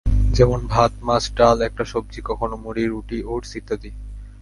যেমন ভাত, মাছ, ডাল, একটা সবজি, কখনো মুড়ি, রুটি, ওটস ইত্যাদি।